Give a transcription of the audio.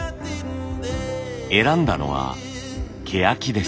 選んだのはケヤキです。